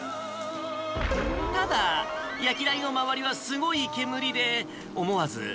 ただ、焼き台の周りはすごい煙で、思わず。